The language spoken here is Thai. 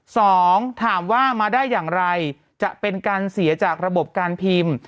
สองถามว่ามาได้อย่างไรจะเป็นการเสียจากระบบการพิมพ์